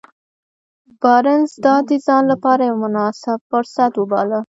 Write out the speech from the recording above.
بارنس دا د ځان لپاره يو مناسب فرصت وباله.